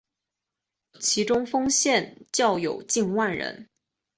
其中丰县教友近万人。